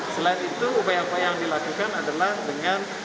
selain itu upaya upaya yang dilakukan adalah dengan